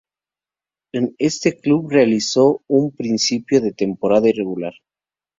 En este club realizó un principio de temporada irregular.